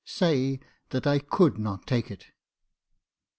Say that I could not take it."